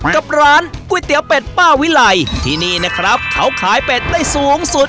กับร้านก๋วยเตี๋ยวเป็ดป้าวิไลที่นี่นะครับเขาขายเป็ดได้สูงสุด